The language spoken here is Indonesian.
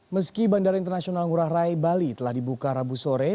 meski bandara internasional ngurah rai bali telah dibuka rabu sore